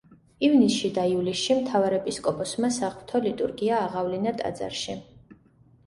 ივნისში და ივლისში მთავარეპისკოპოსმა საღვთო ლიტურგია აღავლინა ტაძარში.